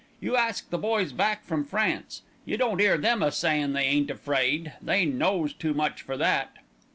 You ask the boys back from France. You don't 'ear them a sayin' they ain't afraid. They knows too much for that."